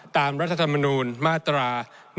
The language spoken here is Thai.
ตามรัฐธรรมนูลมาตรา๑๕๒